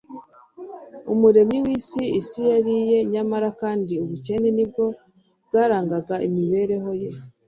Umuremyi w'isi, isi yari iye, nyamara kandi ubukene nibwo bwarangaga imibereho Ye